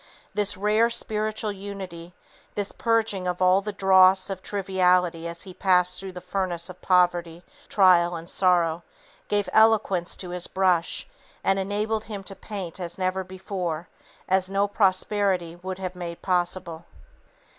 This rare spiritual unity, this purging of all the dross of triviality as he passed through the furnace of poverty, trial, and sorrow gave eloquence to his brush and enabled him to paint as never before, as no prosperity would have made possible.